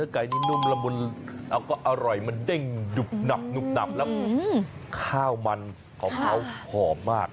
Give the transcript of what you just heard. ไก่นี้นุ่มละมุนแล้วก็อร่อยมันเด้งดุบหนับหุบหนับแล้วข้าวมันของเขาหอมมาก